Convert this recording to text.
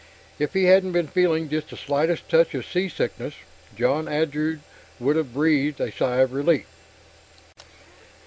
If he hadn't been feeling just the slightest touch of seasickness, John Andrew would have breathed a sigh of relief.